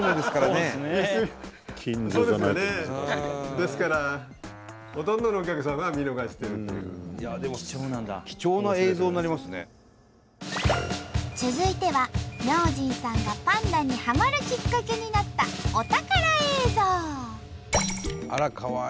ですから続いては明神さんがパンダにはまるきっかけになったあらかわいい。